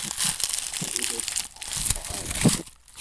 Ur la k-id-ḥessbeɣ ara.